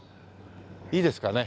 いいですかね？